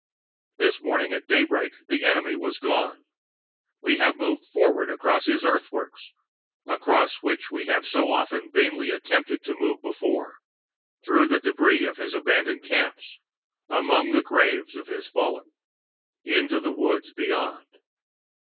This morning at daybreak the enemy was gone. We have moved forward across his earthworks, across which we have so often vainly attempted to move before, through the debris of his abandoned camps, among the graves of his fallen, into the woods beyond.